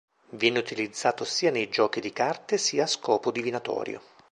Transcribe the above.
Viene utilizzato sia nei giochi di carte sia a scopo divinatorio.